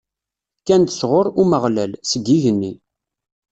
Kkan-d sɣur Umeɣlal, seg igenni.